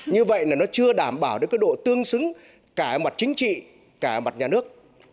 như vậy là nó chưa đảm bảo được cái độ tương xứng cả mặt chính trị cả mặt nhà nước